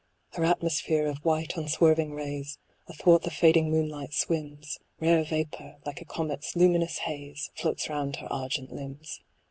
Her atmosphere of white unswerving rays Athwart the fading moonlight swims ; Rare vapour, like a comet's luminous haze, Floats round her argent limbs.